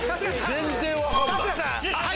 全然分かんない。